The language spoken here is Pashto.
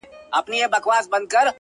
• مُلایانو به زکات ولي خوړلای ,